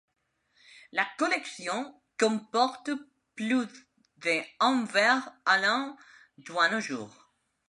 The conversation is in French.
La collection comporte plus de en verre allant du à nos jours.